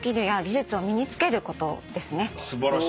素晴らしい。